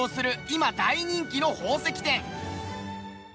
今大人気の宝石展。